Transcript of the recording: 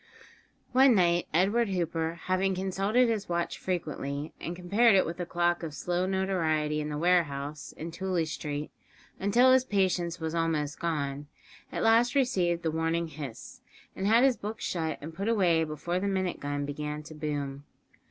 One night Edward Hooper, having consulted his watch frequently, and compared it with the clock of slow notoriety in the warehouse in Tooley Street, until his patience was almost gone, at last received the warning hiss, and had his books shut and put away before the minute gun began to boom.